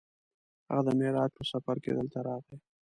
هغه د معراج په سفر کې دلته راغی.